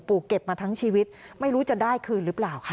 เก็บมาทั้งชีวิตไม่รู้จะได้คืนหรือเปล่าค่ะ